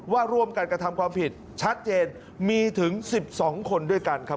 ร่วมกันกระทำความผิดชัดเจนมีถึง๑๒คนด้วยกันครับ